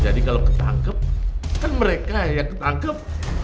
jadi kalau ketangkep kan mereka yang ketangkep